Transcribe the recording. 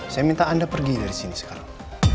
saya minta anda pergi dari sini sekarang